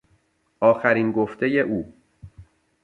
آخرین گفتهی او